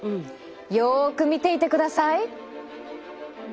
よく見ていてください。